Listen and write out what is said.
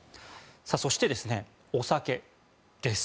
そして、お酒です。